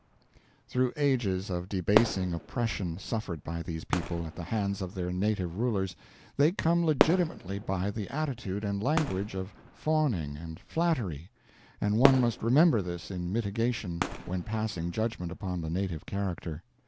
B." Through ages of debasing oppression suffered by these people at the hands of their native rulers, they come legitimately by the attitude and language of fawning and flattery, and one must remember this in mitigation when passing judgment upon the native character.